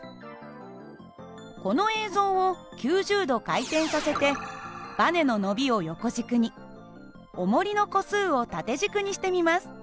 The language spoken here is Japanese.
この映像を９０度回転させてばねの伸びを横軸におもりの個数を縦軸にしてみます。